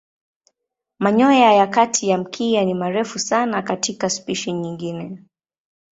Manyoya ya kati ya mkia ni marefu sana katika spishi nyingine.